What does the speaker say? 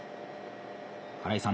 荒井さん